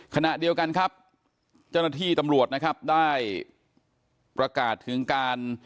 ขณะเดียวกันครับเจ้าหน้าที่ตำรวจนะครับได้ประกาศถึงการ